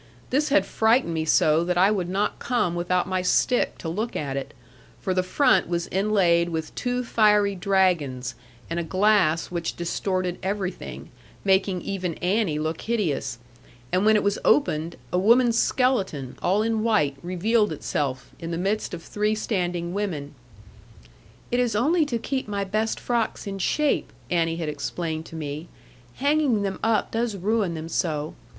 This had frightened me so that I would not come without my stick to look at it; for the front was inlaid with two fiery dragons, and a glass which distorted everything, making even Annie look hideous; and when it was opened, a woman's skeleton, all in white, revealed itself, in the midst of three standing women. 'It is only to keep my best frocks in shape,' Annie had explained to me; 'hanging them up does ruin them so.